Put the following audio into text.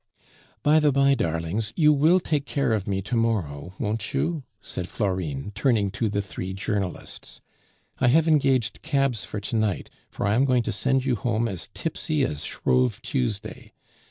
"By the by, darlings, you will take care of me to morrow, won't you?" said Florine, turning to the three journalists. "I have engaged cabs for to night, for I am going to send you home as tipsy as Shrove Tuesday.